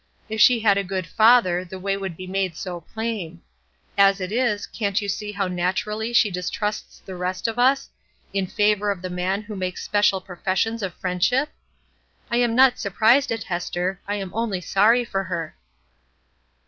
If she had a good father the way would be made so plain. As it is, can't you see how naturally she distrusts the rest of us, in favor of the man who makes special professions of friendship? I am not surprised at Hester, I am only sorry for her."